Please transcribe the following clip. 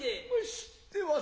知ってます